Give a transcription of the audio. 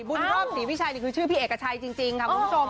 บุญรอบศรีวิชัยนี่คือชื่อพี่เอกชัยจริงค่ะคุณผู้ชม